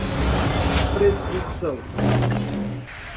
prescrição